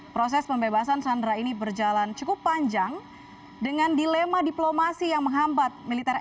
proses pembebasan sandera ini berjalan cukup panjang dengan dilema diplomasi yang menghambat militer